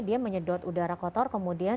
dia menyedot udara kotor kemudian